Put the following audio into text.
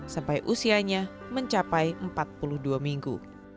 sampai usianya mencapai empat puluh dua minggu